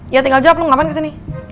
ya tinggal jawab lu ngapain kesini